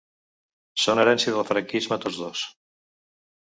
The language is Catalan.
Són herència del franquisme tots dos.